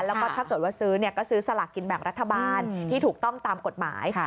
แล้วก็ถ้าเกิดว่าซื้อก็ซื้อสลากกินแบ่งรัฐบาลที่ถูกต้องตามกฎหมาย